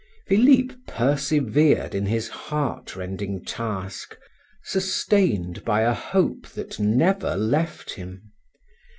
Philip persevered in his heart rending task, sustained by a hope that never left him.